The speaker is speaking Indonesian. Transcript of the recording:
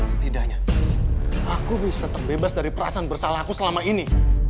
setidaknya aku bisa terbebas dari perasaan bersalah aku selama ini